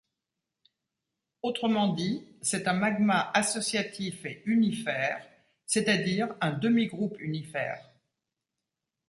Autrement dit, c'est un magma associatif et unifère, c'est-à-dire un demi-groupe unifère.